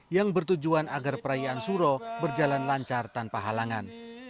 yang bertujuan agar perayaan suro berjalan lancar tanpa halangan